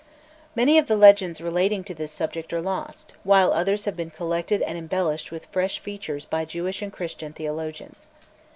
Many of the legends relating to this subject are lost, while others have been collected and embellished with fresh features by Jewish and Christian theologians.